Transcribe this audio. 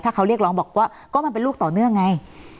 เขาเรียกร้องบอกว่าก็มันเป็นลูกต่อเนื่องไง